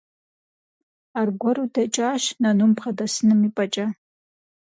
Аргуэру дэкӀащ, нынум бгъэдэсыным ипӀэкӀэ.